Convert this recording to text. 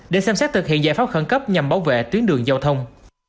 để xem xét thực hiện giải pháp khẩn cấp nhằm bảo vệ tuyến đường giao thông